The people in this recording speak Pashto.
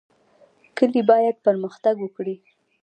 کلي باید پرمختګ وکړي